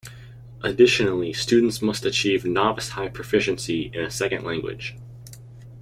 Additionally, students must achieve "novice-high proficiency" in a second language.